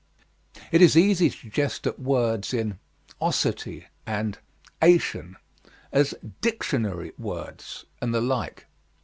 It is easy to jest at words in _ osity_ and _ ation_, as 'dictionary' words, and the like.